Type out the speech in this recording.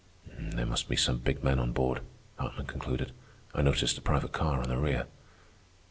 "There must be some big men on board," Hartman concluded. "I noticed a private car on the rear."